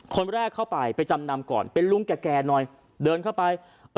คนแรกเข้าไปไปจำนำก่อนเป็นลุงแก่หน่อยเดินเข้าไป